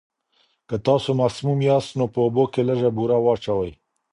که تاسو مسموم یاست، نو په اوبو کې لږه بوره واچوئ.